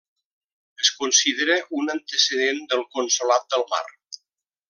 Es considera un antecedent del Consolat del Mar.